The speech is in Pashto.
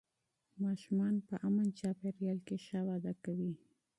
ماشومان په امن چاپېریال کې ښه وده کوي